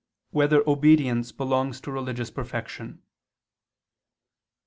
5] Whether Obedience Belongs to Religious Perfection?